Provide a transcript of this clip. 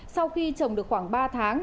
sau khi trồng được khoảng ba tháng